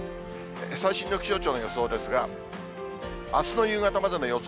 最新の気象庁の予想ですが、あすの夕方までの予想